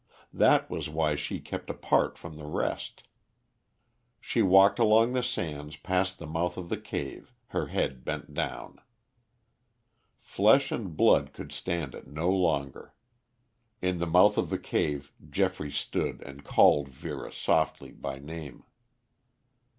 That was why she kept apart from the rest. She walked along the sands past the mouth of the cave, her head bent down. Flesh and blood could stand it no longer; in the mouth of the cave Geoffrey stood and called Vera softly by name.